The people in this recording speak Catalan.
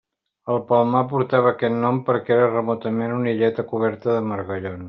El Palmar portava aquest nom perquè era remotament una illeta coberta de margallons.